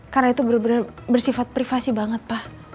karena itu benar benar bersifat privasi banget pa